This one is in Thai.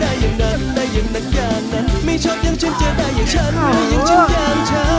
ทุกคนที่มองทามมันไม่ได้ขิง